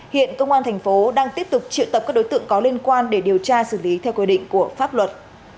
hiện công an thành phố đang tiếp tục triệu tập các đối tượng có liên quan để điều tra xử lý theo quy định của pháp luật